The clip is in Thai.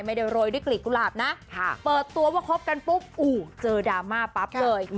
โรยด้วยกลีบกุหลาบนะเปิดตัวว่าคบกันปุ๊บอู่เจอดราม่าปั๊บเลย